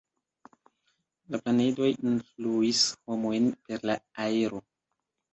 La planedoj influis homojn per la aero.